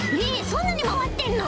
そんなにまわってんの？